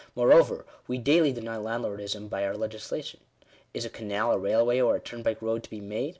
Moreover, we daily deny landlordism by our legislation. Is a canal, a railway, or a turnpike road to be made